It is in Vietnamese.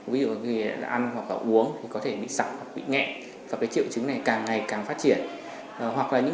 ví dụ người ta ăn hoặc là uống thì có thể bị sọc hoặc bị nghẹn và triệu chứng này càng ngày càng phát triển